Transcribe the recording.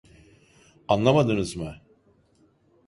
Anlamadınız mı?